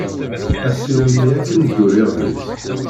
Asirem-nni akken dduriɣ deg-s.